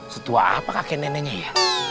setua apa kakek neneknya ya